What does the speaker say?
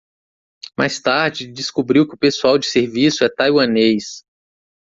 Mais tarde descobriu que o pessoal de serviço é taiwanês